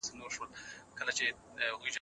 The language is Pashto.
سپی له هغه ځایه د یوې شېبې لپاره هم لیرې نه شو.